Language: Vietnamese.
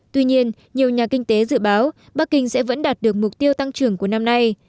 tuy nhiên nhiều nhà kinh tế dự báo bắc kinh sẽ vẫn đạt được mục tiêu tăng trưởng của năm nay